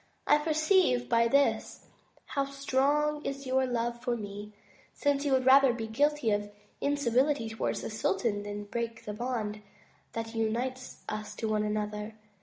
I perceive by this how strong is your love for me, since you would rather be guilty of incivility towards the sultan than break the bond that unites us to one another.